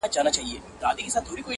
افغان ډياسپورا پر سياسي